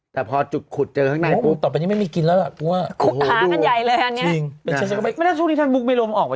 แต่พอจุดขุดเจอข้างหน้าหมุ่ม